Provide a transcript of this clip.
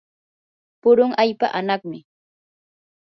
purun allpa anaqmi.